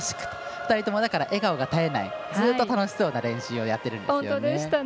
２人とも笑顔が絶えないずっと楽しそうな練習をやってるんですよね。